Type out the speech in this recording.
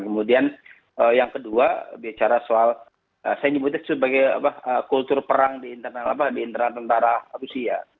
kemudian yang kedua bicara soal saya nyebutnya sebagai kultur perang di internal tentara rusia